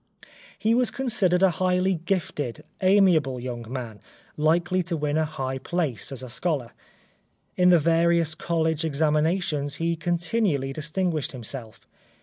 He was considered a highly gifted, amiable young man, likely to win a high place as a scholar. In the various college examinations he con tinually distinguished himself.